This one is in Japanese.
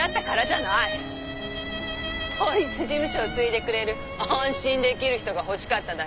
法律事務所を継いでくれる安心出来る人がほしかっただけ。